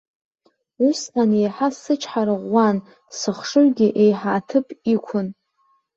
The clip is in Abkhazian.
Усҟан еиҳа сычҳара ӷәӷәан, сыхшыҩгьы еиҳа аҭыԥ иқәын.